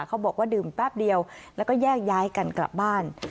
เขาบอกว่าดื่มแป๊บเดียวแล้วก็แยกย้ายกันกลับบ้าน